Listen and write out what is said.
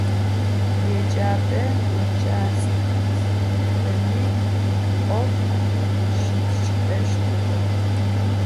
Yêcep'e vuçastkemi 'of şıtş'eştığe.